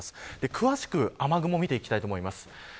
詳しく雨雲を見ていきたいと思います。